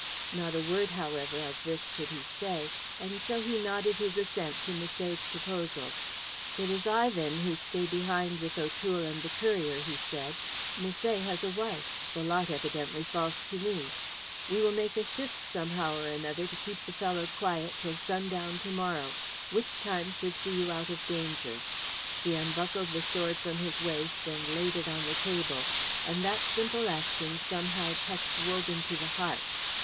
Not a word, however, of this could he say, and so he nodded his assent to Misset's proposal. "It is I, then, who stay behind with O'Toole and the courier," he said. "Misset has a wife; the lot evidently falls to me. We will make a shift somehow or another to keep the fellow quiet till sundown to morrow, which time should see you out of danger." He unbuckled the sword from his waist and laid it on the table, and that simple action somehow touched Wogan to the heart.